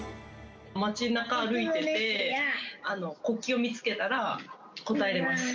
街中を歩いてて、国旗を見つけたら、答えれます。